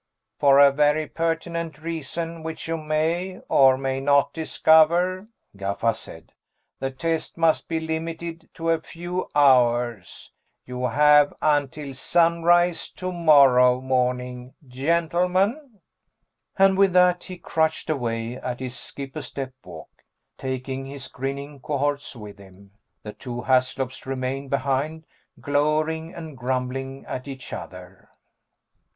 "For a very pertinent reason which you may or may not discover," Gaffa said, "the test must be limited to a few hours. You have until sunrise tomorrow morning, gentlemen." And with that he crutched away at his skip a step walk, taking his grinning cohorts with him. The two Haslops remained behind, glowering and grumbling at each other.